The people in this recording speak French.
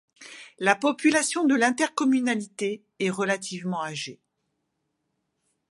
La population de l'intercommunalité est relativement âgée.